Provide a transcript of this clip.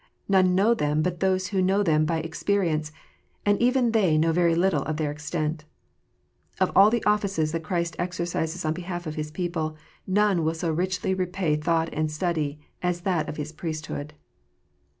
None know them but those who know them by experience : and even they know very little of their extent. Of all the offices that Christ exercises on behalf of His people, none will so richly repay thought and study as that of His Priesthood.